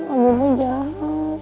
abah mau jahat